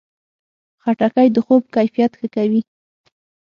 خټکی د خوب کیفیت ښه کوي.